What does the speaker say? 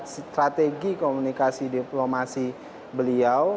strategi komunikasi diplomasi beliau